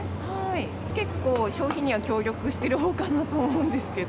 結構、消費には協力してるほうかなと思うんですけど。